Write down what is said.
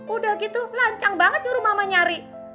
udah gitu lancang banget nyuruh mama nyari